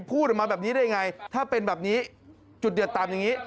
พูดออกมาแบบนี้ได้ยังไงถ้าเป็นแบบนี้จุดเดือดตามอย่างนี้